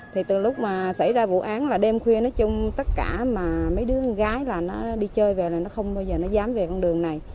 thì từ lúc mà xảy ra vụ án là đêm khuya nói chung tất cả mà mấy đứa con gái là nó đi chơi về là nó không bao giờ nó dám về con đường này